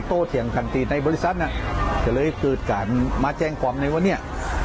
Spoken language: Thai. ต้นเทียงการตีนในบริษัทน่ะจะเลยคือการมาแจ้งความในว่าเนี้ย